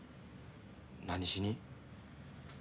何しに？